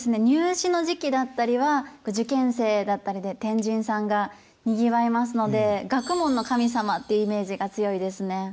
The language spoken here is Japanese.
入試の時期だったりは受験生だったりで天神さんがにぎわいますので学問の神様っていうイメージが強いですね。